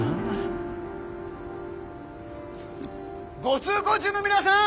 ご通行中の皆さん